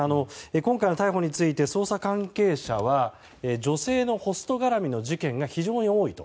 今回の逮捕について捜査関係者は女性のホスト絡みの事件が非常に多いと。